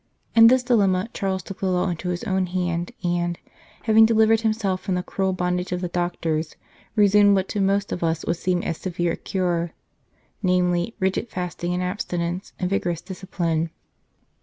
In this dilemma Charles took the law into his own hands, and, " having delivered himself from the cruel bondage of the doctors," resumed what to most of us would seem as severe a cure namely, rigid fasting and abstinence and vigorous discipline.